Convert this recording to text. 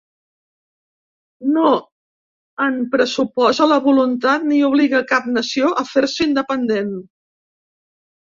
No en pressuposa la voluntat ni obliga cap nació a fer-se independent.